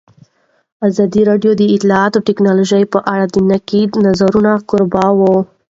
ازادي راډیو د اطلاعاتی تکنالوژي په اړه د نقدي نظرونو کوربه وه.